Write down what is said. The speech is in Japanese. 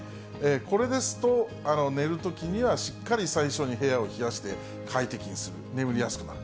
これですと、寝るときにはしっかり最初に部屋を冷やして、快適にする、眠りやすくなる。